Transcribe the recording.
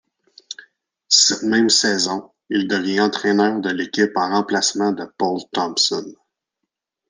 Cette même saison, il devient entraîneur de l'équipe en remplacement de Paul Thompson.